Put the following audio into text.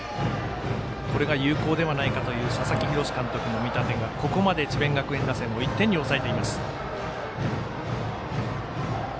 これが有効ではないかという佐々木洋監督の見立てがここまで、智弁学園打線を１点に抑えています。